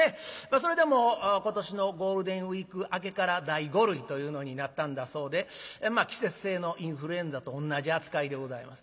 それでも今年のゴールデンウイーク明けから第５類というのになったんだそうで季節性のインフルエンザと同じ扱いでございます。